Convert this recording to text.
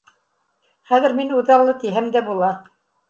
Хәҙер мин үҙаллы тиһәм дә була.